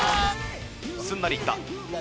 すんなりいった。